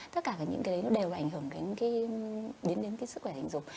tất cả những cái đấy nó đều ảnh hưởng đến cái sức khỏe tình dục